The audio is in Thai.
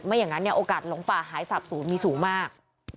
อย่างนั้นเนี่ยโอกาสหลงป่าหายสาบศูนย์มีสูงมาก